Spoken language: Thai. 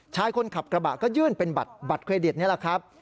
ชายคนขับกระบะก็ยื่นเป็นบัตรเครดิตนี่แหละครับ